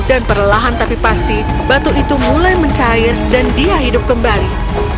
dan perlahan tapi pasti batu itu mulai mencair dan dia hidup kembali